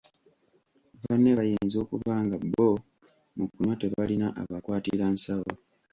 Banne bayinza okuba nga bo mu kunywa tebalina abakwatira nsawo.